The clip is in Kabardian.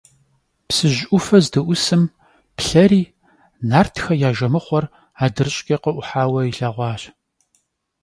Psıj 'ufe zdı'usım, plheri, nartxe ya jjemıxhuer adrış'ç'e khı'uhaue yilheğuaş.